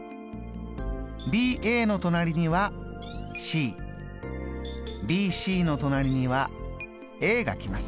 ＢＡの隣にはＣＢＣの隣にはＡが来ます。